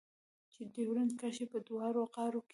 چې د ډيورنډ کرښې په دواړو غاړو کې.